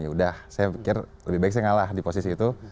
ya udah saya pikir lebih baik saya ngalah di posisi itu